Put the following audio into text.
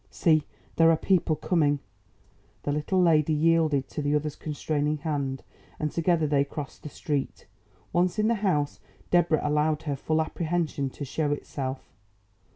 See, there are people coming." The little lady yielded to the other's constraining hand and together they crossed the street. Once in the house, Deborah allowed her full apprehension to show itself.